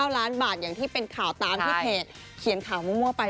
๙ล้านบาทอย่างที่เป็นข่าวตามที่เพจเขียนข่าวมั่วไป